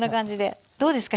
どうですか？